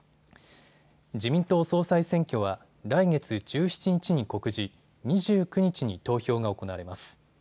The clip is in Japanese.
自民党総裁選挙は来月１７日に告示、２９日に投票が行われます。